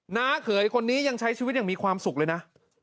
เขยคนนี้ยังใช้ชีวิตอย่างมีความสุขเลยนะ